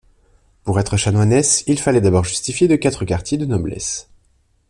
Pour être chanoinesse, il fallait d’abord justifier de quatre quartiers de noblesse.